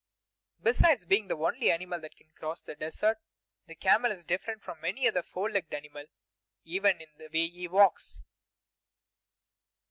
Besides being the only animal that can cross the desert, the camel is different from any other four legged animal even in the way he walks.